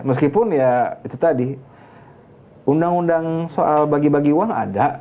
meskipun ya itu tadi undang undang soal bagi bagi uang ada